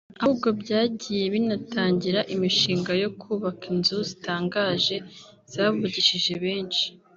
ahubwo byagiye binatangira imishinga yo kubaka inzu zitangaje zavugishije benshi